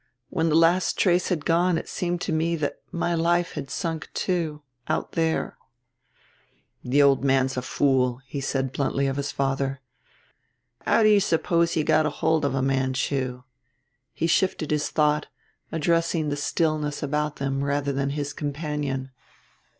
When the last trace had gone it seemed to me that my life had sunk too ... out there." "The old man's a fool," he said bluntly of his father. "How do you suppose he got hold of a Manchu?" he shifted his thought, addressing the stillness about them rather than his companion.